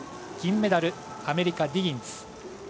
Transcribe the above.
銀メダル、アメリカのディギンズ。